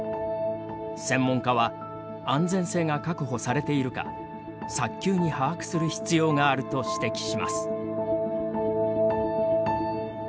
専門家は安全性が確保されているか早急に把握する必要があると指摘します。